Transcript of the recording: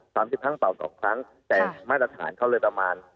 สามสิบครั้งเป่าสองครั้งแต่มาตรฐานเขาเลยประมาณ